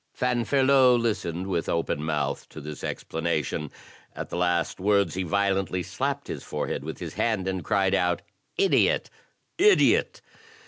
Fanferlot listened with op)en mouth to this explanation. At the last words, he violently slapped his forehead with his hand and cried out: "Idiot! Idiot!"